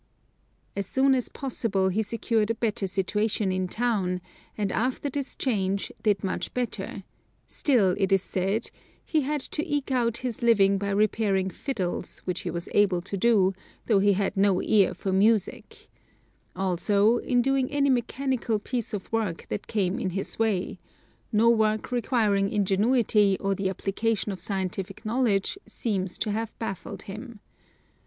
As soon as possible he secured a better situation in town, and after this change did much better, still it is said: "He had to eke out his living by repairing fiddles, which he was able to do, though he had no ear for music," also, in doing any mechanical piece of work that came in his way; no work requiring ingenuity or the application of scientific knowledge seems to have baffled him.